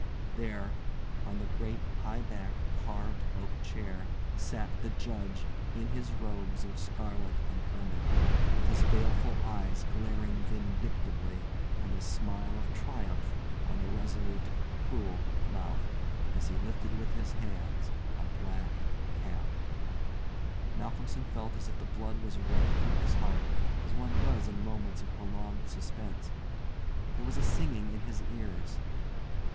There, on the great high backed carved oak chair sat the Judge in his robes of scarlet and ermine, with his baleful eyes glaring vindictively, and a smile of triumph on the resolute, cruel mouth, as he lifted with his hands a black cap. Malcolmson felt as if the blood was running from his heart, as one does in moments of prolonged suspense. There was a singing in his ears.